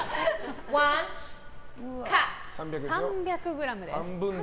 ３００ｇです。